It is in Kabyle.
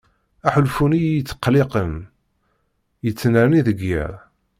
Aḥulfu-nni iyi-ittqelliqen yettnerni deg yiḍ.